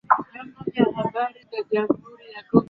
ee tuliongea na wenzetu upande wa pili